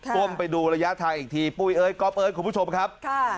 ก้มไปดูระยะทางอีกทีปุ้ยเอ้ยก๊อบเอ้ยคุณผู้ชมครับ